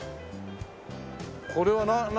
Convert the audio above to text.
これは何？